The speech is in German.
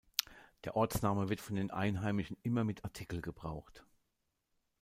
Der Ortsname wird von den Einheimischen immer mit Artikel gebraucht.